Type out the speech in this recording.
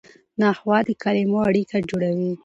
نحوه د کلیمو اړیکه جوړوي.